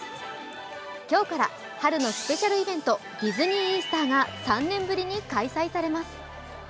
今日から春のスペシャルイベント、ディズニー・イースターが３年ぶりに開催されます。